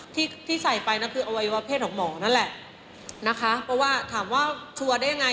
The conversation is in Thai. ที่ที่ใส่ไปนั่นคืออวัยวะเพศของหมอนั่นแหละนะคะเพราะว่าถามว่าชัวร์ได้ยังไง